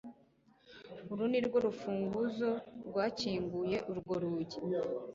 uru nirwo rufunguzo rwakinguye urwo rugi